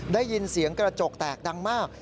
ได้ยินเสียงกระจกแตกดังมาก